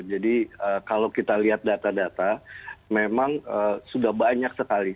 jadi kalau kita lihat data data memang sudah banyak sekali